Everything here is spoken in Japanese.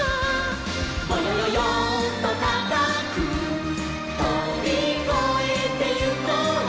「ぼよよよんとたかくとびこえてゆこう」